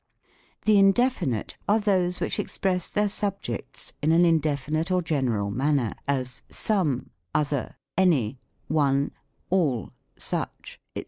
The indefinite are those which express their subjects in an indefinite or general manner ; as, some, other, any, one, all, such, &c.